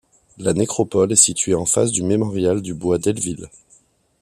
La nécropole est située en face du mémorial du bois Delville.